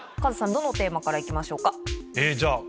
どのテーマからいきましょうか？